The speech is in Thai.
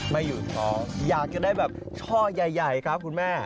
ไม่หยุดท้องอยากจะได้แบบช่อใหญ่ครับคุณแม่